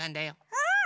うん！